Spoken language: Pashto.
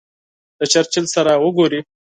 د چرچل سره وګوري.